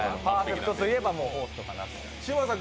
パーフェクトといえば、ホーストかなという。